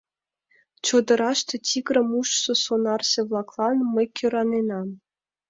Чодыраште тигрым ужшо сонарзе-влаклан мый кӧраненам.